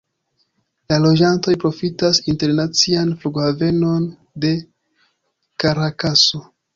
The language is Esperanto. La loĝantoj profitas internacian flughavenon de Karakaso.